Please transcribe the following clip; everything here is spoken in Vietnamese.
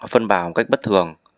phân bào một cách bất thường